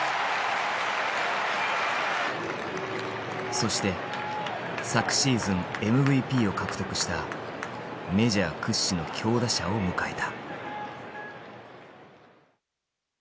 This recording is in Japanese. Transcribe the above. そして昨シーズンＭＶＰを獲得したメジャー屈指の強打者を迎えた。